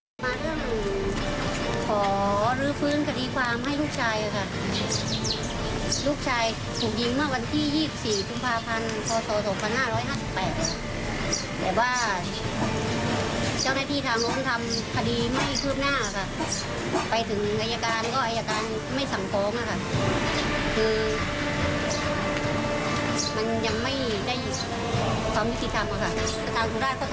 จุภาพันธุ์ปฏิบัติปฏิบัติปฏิบัติปฏิบัติปฏิบัติปฏิบัติปฏิบัติปฏิบัติปฏิบัติปฏิบัติปฏิบัติปฏิบัติปฏิบัติปฏิบัติปฏิบัติปฏิบัติปฏิบัติปฏิบัติปฏิบัติปฏิบัติปฏิบัติปฏิบัติปฏิบัติปฏ